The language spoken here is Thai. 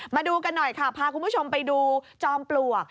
มาดูกันหน่อยค่ะพาคุณผู้ชมไปดูจอมปลวก